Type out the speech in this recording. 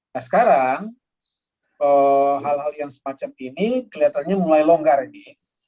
nah sekarang hal hal yang semacam ini kelihatannya mulai longgar ini